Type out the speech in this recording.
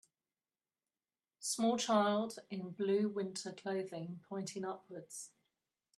Small child in blue winter clothing pointing upwards.